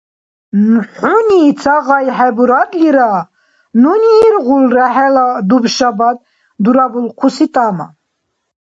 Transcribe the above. ХӀуни ца гъай хӀебурадлира, нуни иргъулра хӀела дубшабад дурабулхъуси тӀама.